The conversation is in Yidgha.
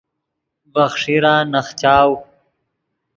ڤے خیݰیرا نخچاؤ